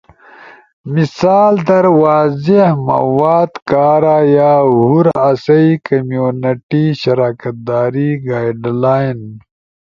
مثال در واضح مواد کارا یا ہور آسئی کمیونٹی شراکت داری گائیڈلائن